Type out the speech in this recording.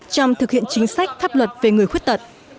trong thực hiện chính sách pháp luật về người khuyết tật